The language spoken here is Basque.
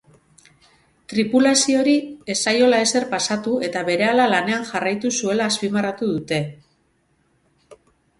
Tripulazioari ez zaiola ezer pasatu eta berehala lanean jarraitu zuela azpimarratu dute.